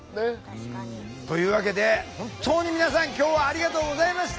確かに。というわけで本当に皆さん今日はありがとうございました！